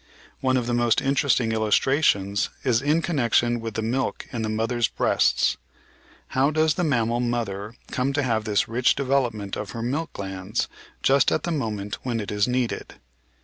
One of the most interesting illustrations is in connection with the milk in the mother's breasts. How does the mammal mother come to have this rich development of her milk glands just at the moment when it is needed?